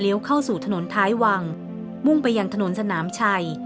เข้าสู่ถนนท้ายวังมุ่งไปยังถนนสนามชัย